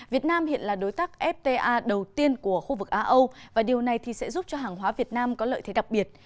việt nam hiện là đối tác fta đầu tiên của khu vực á âu và điều này sẽ giúp cho hàng hóa việt nam có lợi thế đặc biệt